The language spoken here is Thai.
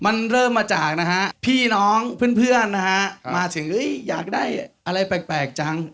มันเริ่มมาจากนะฮะพี่น้องเพื่อนนะฮะมาถึงอยากได้อะไรแปลกจัง